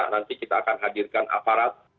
nanti kita akan hadirkan aparat